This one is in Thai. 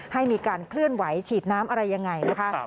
ให้มีการเคลื่อนไหวฉีดน้ำอะไรยังไงนะคะ